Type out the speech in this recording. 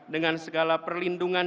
dengan segala perlindungan